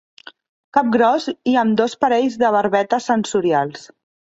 Cap gros i amb dos parells de barbetes sensorials.